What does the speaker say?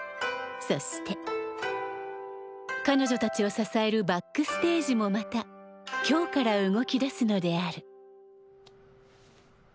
そして彼女たちを支えるバックステージもまた今日から動き出すのである。